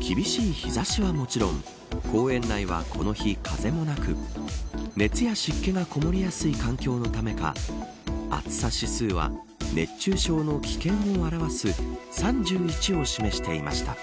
厳しい日差しはもちろん公園内は、この日風がなく熱や湿気がこもりやすい環境のためか暑さ指数は熱中症の危険を表す３１を示していました。